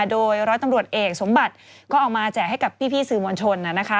โดยร้อยตำรวจเอกสมบัติก็เอามาแจกให้กับพี่สื่อมวลชน